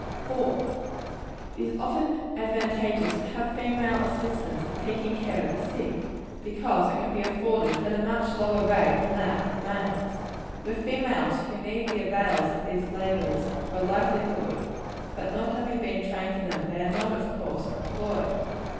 4. It is often advantageous to have female assistance in taking care of the sick, because it can be afforded at a much lower rate than that of males. There are females who need the avails of these labors for a livelihood; but not having been trained to them, they are not, of course, employed.